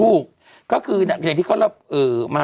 ถูกก็คือเนี่ยอย่างที่เขาเลือกมา